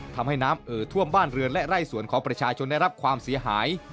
ทำให้น้ำเอ่อท่วมบ้านเรือนและไร่สวนของประชาชนได้รับความเสียหาย